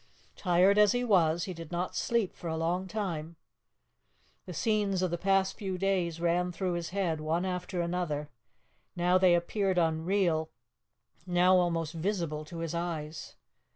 Tired as he was, he did not sleep for a long time. The scenes of the past few days ran through his head one after another now they appeared unreal, now almost visible to his eyes.